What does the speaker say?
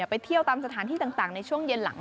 ไปเที่ยวตามสถานที่ต่างในช่วงเย็นหลัง